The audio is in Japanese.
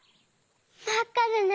まっかでね。